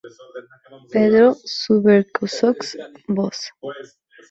Pedro Subercaseaux: Voz.